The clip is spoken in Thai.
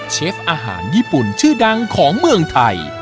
เชฟอาหารญี่ปุ่นชื่อดังของเมืองไทย